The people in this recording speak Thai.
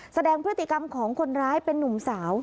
แสดงพฤติกรรมของคนร้ายเป็นนุ่มสาว